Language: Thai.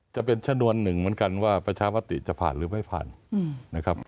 จะเป็นชนวนหนึ่งเหมือนกันว่าประชามติจะผ่านหรือไม่ผ่านนะครับ